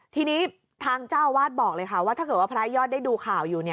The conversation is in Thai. ทีนี้ทางเจ้าอาวาสบอกเลยค่ะว่าถ้าเกิดว่าพระยอดได้ดูข่าวอยู่